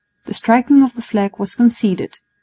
The striking of the flag was conceded.